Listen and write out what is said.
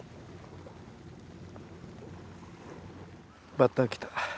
バッタ来た。